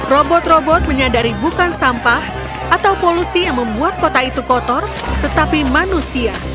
robot robot menyadari bukan sampah atau polusi yang membuat kota itu kotor tetapi manusia